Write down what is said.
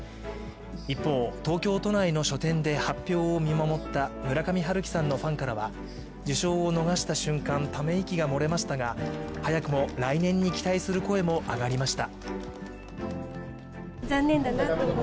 一方、東京都内の書店で発表を見守った村上春樹さんのファンからは受賞を逃した瞬間、ため息が漏れましたが、早くも来年に期待する声も上がりました。